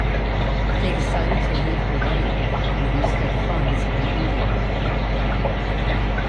They decided to leave Hawaii and use their funds in India.